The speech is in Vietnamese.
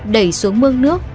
đẩy xuống mương nước